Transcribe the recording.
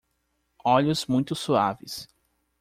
Olhos muito suaves